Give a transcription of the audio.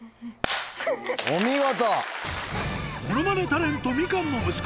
お見事！